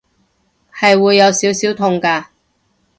係會有少少痛㗎